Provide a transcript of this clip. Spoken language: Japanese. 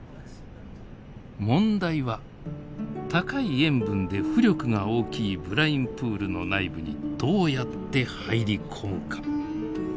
問題は高い塩分で浮力が大きいブラインプールの内部にどうやって入り込むか。